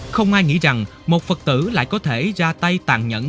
không ai nghĩ rằng một phật tử lại có thể ra tay tàn nhẫn